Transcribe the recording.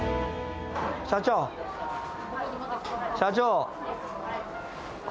社長、社長。